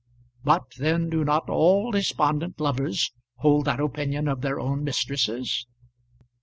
But then do not all despondent lovers hold that opinion of their own mistresses?